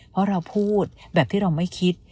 เพราะเราพูดแบบที่เราไม่คิด